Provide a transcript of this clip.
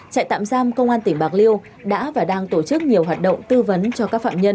trại tạm giam công an tỉnh bạc liêu đã và đang tổ chức nhiều hoạt động tư vấn cho các phạm nhân